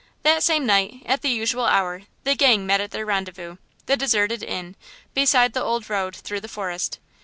That same night, at the usual hour, the gang met at their rendezvous, the deserted inn, beside the old road through the forest.